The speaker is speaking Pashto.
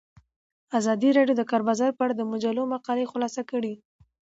ازادي راډیو د د کار بازار په اړه د مجلو مقالو خلاصه کړې.